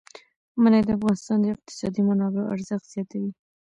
منی د افغانستان د اقتصادي منابعو ارزښت زیاتوي.